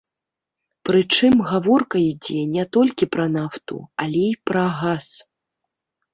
Прычым, гаворка ідзе не толькі пра нафту, але і пра газ.